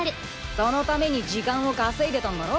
そのために時間をかせいでたんだろ？